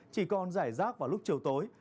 chỉ còn giải rác vào lúc chiều tối